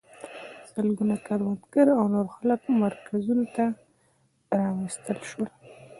سلګونه کروندګر او نور خلک مرکزونو ته راوستل شول.